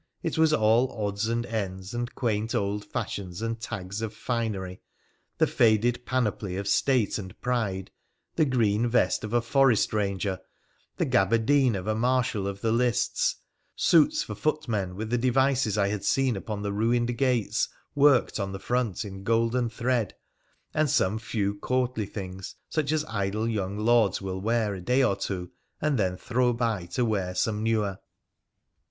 It was all odds and ends, and quaint old fashions and tags of finery, the faded panoply of state and pride, the green vest of a forest ranger, the gaberdine of a marshal of the lists, suits for footmen with the devices I had seen upon the ruined gates worked on the front in golden thread, and some few courtly things, such as idle young lords will wear a day or two and then throw by to wear some newer.